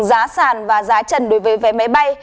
giá sàn và giá trần đối với vé máy bay